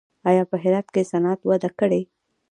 آیا په هرات کې صنعت وده کړې؟